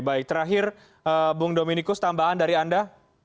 baik terakhir bung dominikus tambahan dari anda